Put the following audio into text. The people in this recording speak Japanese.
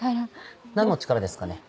何の力ですかね。